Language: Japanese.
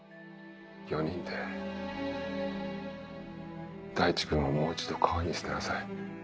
４人で大地君をもう一度川に捨てなさい。